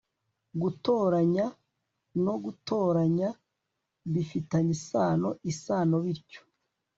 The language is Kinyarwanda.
gutoranya no gutoranya bifitanye isano-isano, bityo